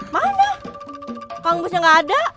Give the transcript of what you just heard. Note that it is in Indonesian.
mana kang musnya gak ada